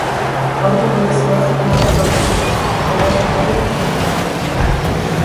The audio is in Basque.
Aurtengo edizioak markak hautsi ditu, eta ez bakarrik ekonomia mailan.